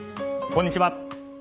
こんにちは。